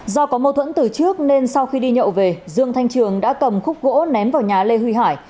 do có mâu thuẫn từ trước nên sau khi đi nhậu về dương thanh trường đã cầm khúc gỗ ném vào nhà lê huy hải